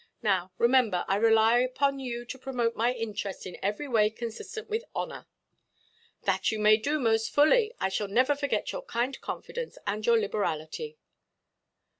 Now, remember, I rely upon you to promote my interest in every way consistent with honour." "That you may do, most fully. I shall never forget your kind confidence, and your liberality."